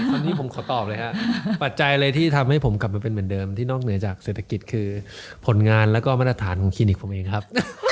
วันนี้ผมขอตอบเลยครับปัจจัยอะไรที่ทำให้ผมกลับมาเป็นเหมือนเดิมที่นอกเหนือจากเศรษฐกิจคือผลงานแล้วก็มาตรฐานของคลินิกผมเองครับ